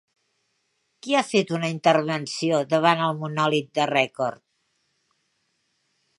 Qui ha fet una intervenció davant el monòlit de record?